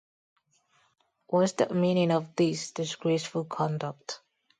What's the meaning of this disgraceful conduct?